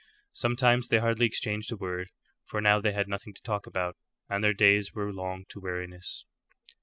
Sometimes they hardly exchanged a word, for now they had nothing to talk about, and their days were long to weariness.